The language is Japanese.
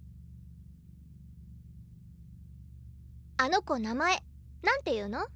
あの子名前なんていうの？